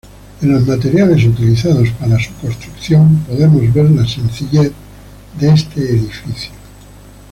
En los materiales utilizados para su construcción podemos ver la sencillez de este edificio.